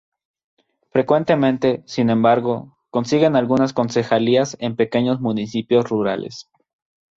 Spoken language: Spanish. Frecuentemente, sin embargo, consiguen algunas concejalías en pequeños municipios rurales.